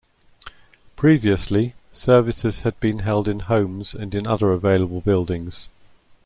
Previously, services had been held in homes and in other available buildings.